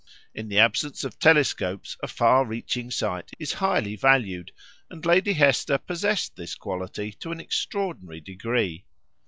In the absence of telescopes a far reaching sight is highly valued, and Lady Hester possessed this quality to an extraordinary degree.